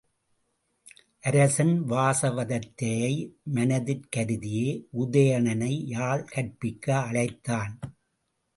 அரசன் வாசவதத்தையை மனத்திற் கருதியே உதயணனை யாழ் கற்பிக்க அழைத்தான்.